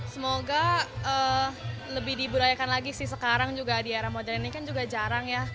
semoga lebih dibudayakan lagi sih sekarang juga di era modern ini kan juga jarang ya